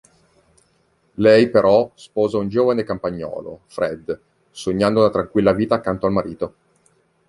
Lei, però, sposa un giovane campagnolo, Fred, sognando una tranquilla vita accanto al marito.